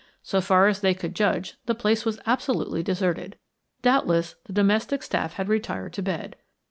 So far as they could judge the place was absolutely deserted. Doubtless the domestic staff had retired to bed.